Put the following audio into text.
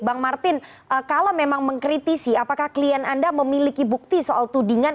bang martin kalau memang mengkritisi apakah klien anda memiliki bukti soal tudingan